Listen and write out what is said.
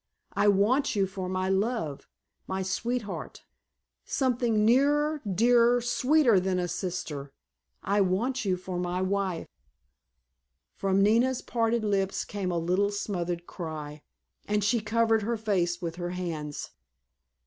I want you for my love, my sweetheart, something nearer, dearer, sweeter than a sister—I want you for my wife!" From Nina's parted lips came a little smothered cry, and she covered her face with her hands.